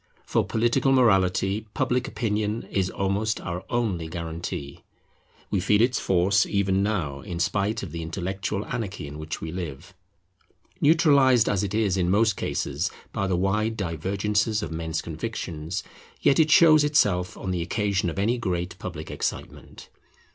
For political morality Public Opinion is almost our only guarantee. We feel its force even now in spite of the intellectual anarchy in which we live. Neutralized as it is in most cases by the wide divergences of men's convictions, yet it shows itself on the occasion of any great public excitement.